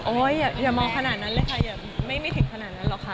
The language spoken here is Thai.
อย่ามองขนาดนั้นเลยค่ะอย่าไม่ถึงขนาดนั้นหรอกค่ะ